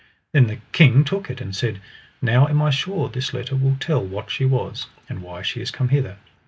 Then the king took it and said: Now am I sure this letter will tell what she was, and why she is come hither.